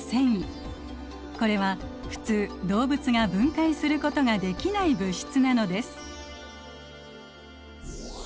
これは普通動物が分解することができない物質なのです。